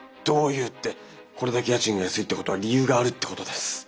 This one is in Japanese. どういうってこれだけ家賃が安いってことは理由があるってことです。